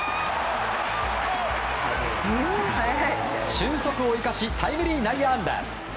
俊足を生かしタイムリー内野安打。